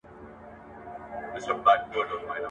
که د انټرنيټ او کمپیوټر په مرسته زده کړه وي نو هیله نه ختمیږي.